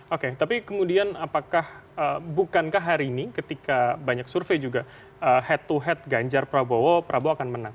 oke tapi kemudian apakah bukankah hari ini ketika banyak survei juga head to head ganjar prabowo prabowo akan menang